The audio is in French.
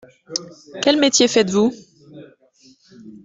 Quel métier faites-vous ?